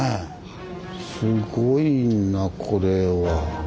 すごいなこれは。